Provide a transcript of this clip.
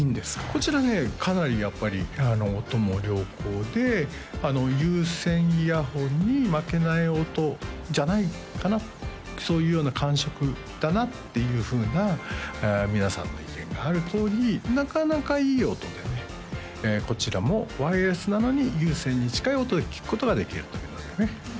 こちらねかなりやっぱり音も良好で有線イヤホンに負けない音じゃないかなそういうような感触だなっていうふうな皆さんの意見があるとおりなかなかいい音でねこちらもワイヤレスなのに有線に近い音で聴くことができるというようなね